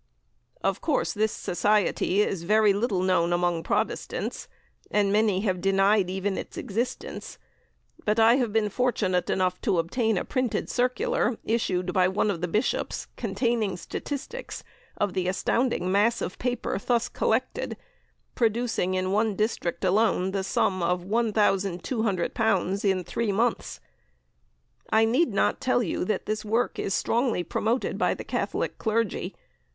Of course, this Society is very little known among Protestants, and many have denied even its existence; but I have been fortunate enough to obtain a printed circular issued by one of the Bishops containing statistics of the astounding mass of paper thus collected, producing in one district alone the sum of L1,200 in three months. I need not tell you that this work is strongly promoted by the Catholic clergy.